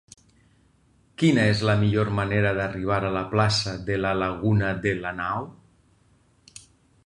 Quina és la millor manera d'arribar a la plaça de la Laguna de Lanao?